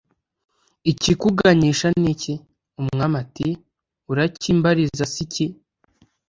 ikikuganyisha ni iki?' umwami ati 'urakimbariza se iki